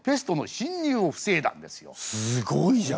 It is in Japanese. すごいじゃん。